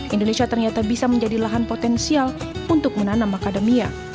indonesia ternyata bisa menjadi lahan potensial untuk menanam academia